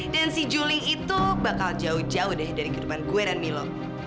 dan si julie itu bakal jauh jauh dari kehidupan gue dan milo